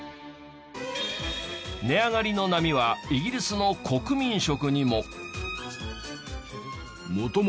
値上がりの波はイギリスの国民食にも。